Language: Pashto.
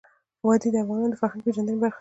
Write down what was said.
وادي د افغانانو د فرهنګ پیژندني برخه ده.